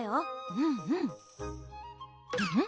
うんうんうん？